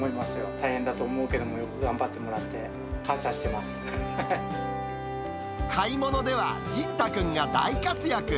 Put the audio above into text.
大変だと思うけど、よく頑張って買い物では、じんた君が大活躍。